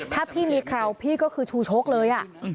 ถ้าพี่มีคราวพี่ก็คือชูชกเลย